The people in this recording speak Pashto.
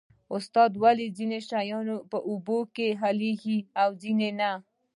استاده ولې ځینې شیان په اوبو کې حل کیږي او ځینې نه